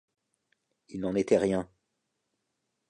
Il n’en était rien.